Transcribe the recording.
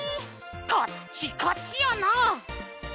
カッチカチやな！